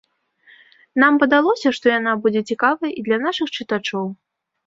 Нам падалося, што яна будзе цікавая і для нашых чытачоў.